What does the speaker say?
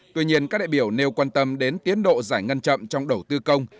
tuy nhiên các đại biểu nêu quan tâm đến tiến độ giải ngân chậm trong đầu tư công